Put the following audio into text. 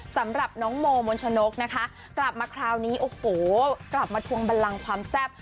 สำหรับน้องโมมนชนกนะคะกลับมาคราวนี้โอ้โหกลับมาทวงบันลังความแซ่บ